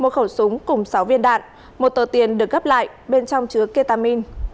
một khẩu súng cùng sáu viên đạn một tờ tiền được gấp lại bên trong chứa ketamine